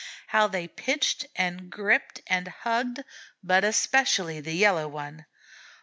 How they pitched and gripped and hugged, but especially the Yellow One!